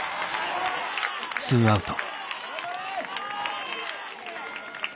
ツーアウト。